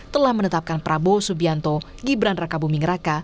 telah menetapkan prabowo subianto gibran raka buming raka